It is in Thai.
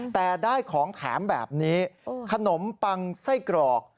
แต่ได้ของแถมแบบนี้ขนมปังไส้กรอก